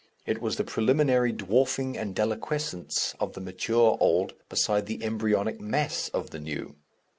It was the preliminary dwarfing and deliquescence of the mature old beside the embryonic mass of the new.